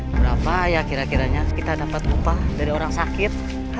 berapa ya kira kiranya kita dapat upah dari orang sakit